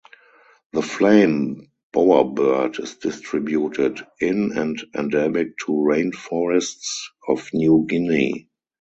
The flame bowerbird is distributed in and endemic to rainforests of New Guinea.